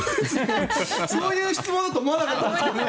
そういう質問だと思わなかったんですけどね。